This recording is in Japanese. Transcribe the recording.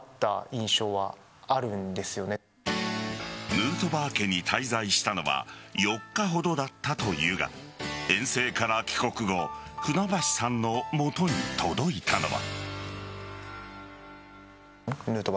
ヌートバー家に滞在したのは４日ほどだったというが遠征から帰国後船橋さんの元に届いたのは。